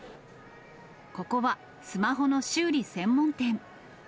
ここはスマホの修理専門店。